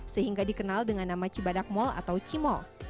sehingga dikenal dengan nama cibadak mall atau cimol